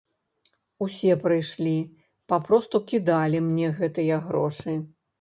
Усе прыйшлі, папросту кідалі мне гэтыя грошы.